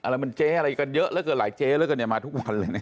อะไรมันเจ๊อะไรกันเยอะแล้วก็หลายเจ๊แล้วกันมาทุกวันเลย